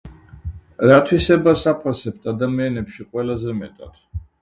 რა თვისებას აფასებთ ადამიანებში ყველაზე მეტად?